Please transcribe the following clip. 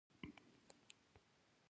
محاورې په دوو معنو کښې وګورئ او ورسره هم